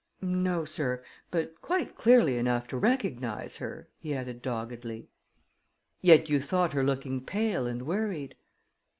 "No, sir; but quite clearly enough to recognize her," he added doggedly. "Yet you thought her looking pale and worried."